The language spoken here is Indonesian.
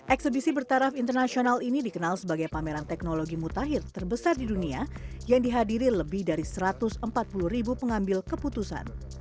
eksebisi bertaraf internasional ini dikenal sebagai pameran teknologi mutakhir terbesar di dunia yang dihadiri lebih dari satu ratus empat puluh ribu pengambil keputusan